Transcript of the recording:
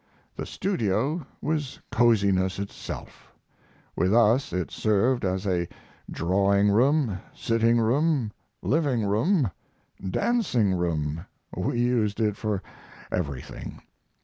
The studio was coziness itself. With us it served as a drawing room, sitting room, living room, dancing room we used it for everything.